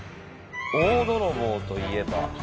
大泥棒といえば。